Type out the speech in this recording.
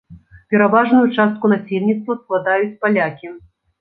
Пераважную частку насельніцтва складаюць палякі.